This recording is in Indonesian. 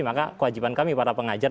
maka kewajiban kami para pengajar